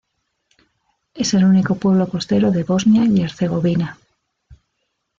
Es el único pueblo costero de Bosnia y Herzegovina.